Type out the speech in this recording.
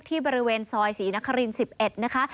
ที่บริเวณซอยศรีนครินทร์๑๑